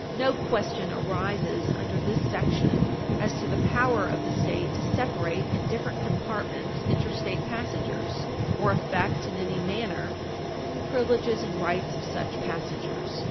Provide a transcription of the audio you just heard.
... No question arises under this section as to the power of the State to separate in different compartments interstate passengers or affect in any manner the privileges and rights of such passengers.